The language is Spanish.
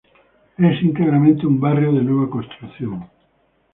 Es íntegramente un barrio de nueva construcción.